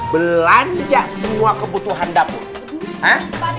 belanja semua kebutuhan dapur